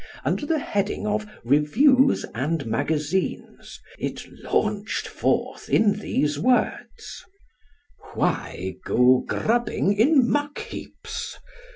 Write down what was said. Under the heading of "Reviews and Magazines" it launched forth in these words: "Why go grubbing in muck heaps?